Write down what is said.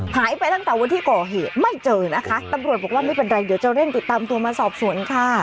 หายไปตั้งแต่วันที่ก่อเหตุไม่เจอนะคะตำรวจบอกว่าไม่เป็นไรเดี๋ยวจะเร่งติดตามตัวมาสอบสวนค่ะ